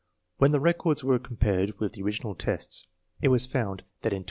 When the records were compared with the original tests, it was found that in MrlN ;C*3 i IO*C4t*t*O